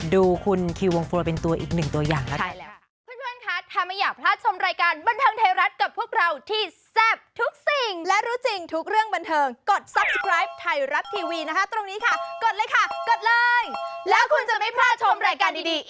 ดูคุณคิววงฟลอร์เป็นตัวอีกหนึ่งตัวอย่าง